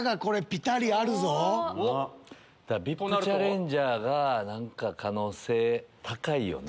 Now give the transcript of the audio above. ＶＩＰチャレンジャーが可能性高いよね。